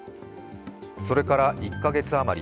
それから１か月余り。